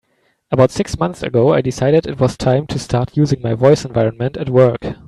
About six months ago, I decided it was time to start using my voice environment at work.